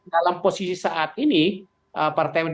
dalam posisi saat ini partai